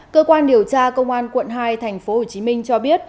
cơ quan điều tra công an quận hai tp hcm cho biết